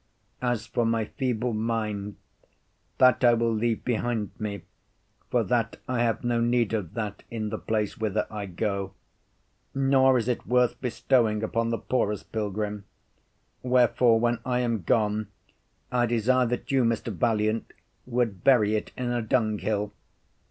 As for my feeble mind, that I will leave behind me, for that I have no need of that in the place whither I go. Nor is it worth bestowing upon the poorest pilgrim; wherefore when I am gone, I desire that you, Mr. Valiant, would bury it in a dung hill.